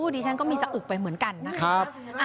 ดิฉันก็มีสะอึกไปเหมือนกันนะครับ